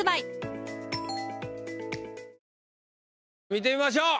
見てみましょう。